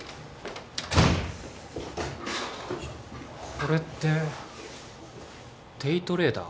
これってデイトレーダー？